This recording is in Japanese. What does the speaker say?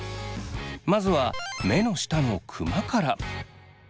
まずは目の下のクマから。